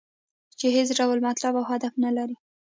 چې هېڅ ډول مطلب او هدف نه لري.